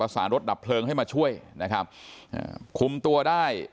สารรถดับเพลิงให้มาช่วยนะครับอ่าคุมตัวได้